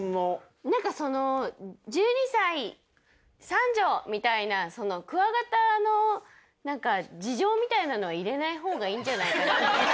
なんかその「１２才」「三女」みたいなクワガタの事情みたいなのは入れない方がいいんじゃないかな。